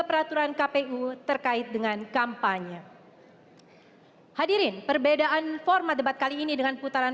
peraturan kpu terkait dengan kampanye hadirin perbedaan format debat kali ini dengan putaran